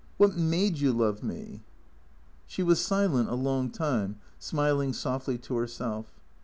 What made you love me ?" She was silent a long time, smiling softly to herself.